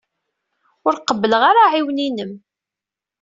Ur qebbleɣ ara aɛiwen-inem.